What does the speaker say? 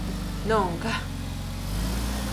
_¡Non, ca!